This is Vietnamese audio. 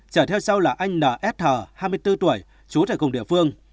trở theo sau là anh n s h hai mươi bốn tuổi chú trẻ cùng địa phương